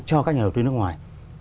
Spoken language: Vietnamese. cho các nhà đầu tư nước ngoài